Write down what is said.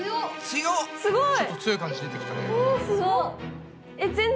ちょっと強い感じ出てきたね。